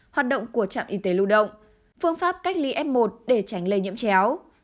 hoạt động của trạm y tế lưu động phương pháp cách ly f một để tránh lây nhiễm chéo